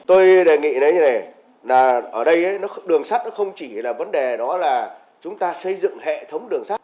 tôi đề nghị là như thế này là ở đây đường sắt nó không chỉ là vấn đề đó là chúng ta xây dựng hệ thống đường sắt